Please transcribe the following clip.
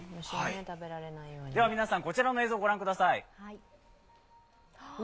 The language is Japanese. では皆さん、こちらの映像をご覧ください。